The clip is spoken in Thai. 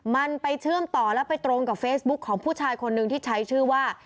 มันไปเชื่อมต่อแล้วไปตรงกับเฟซบุ๊คของผู้ชายคนหนึ่งที่ใช้ชื่อว่า